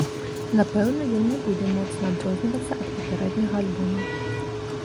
Напэўна, ён не будзе моцна адрознівацца ад папярэдняга альбома.